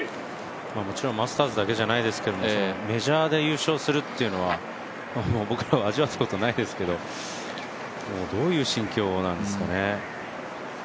もちろんマスターズだけじゃないですけど、メジャーで優勝するというのは僕らは味わったことないですけどどういう心境なんですかね。